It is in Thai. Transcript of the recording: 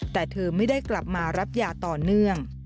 แต่เธอไม่ได้กลับมารับยาต่อเนื่อง